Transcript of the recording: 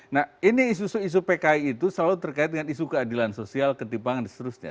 nah ini isu isu pki itu selalu terkait dengan isu keadilan sosial ketimpangan dan seterusnya